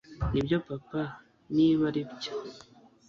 nibyo papa, niba aribyo